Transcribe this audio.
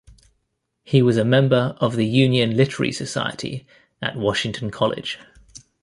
He was a member of the Union Literary Society at Washington College.